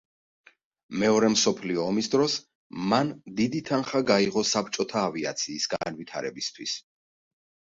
მეორე მსოფლიო ომის დროს, მან დიდი თანხა გაიღო საბჭოთა ავიაციის განვითარებისთვის.